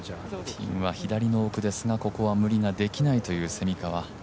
ピンは左の奥ですがここは無理ができないという蝉川。